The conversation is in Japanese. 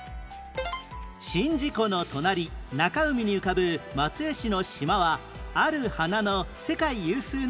宍道湖の隣中海に浮かぶ松江市の島はある花の世界有数の生産地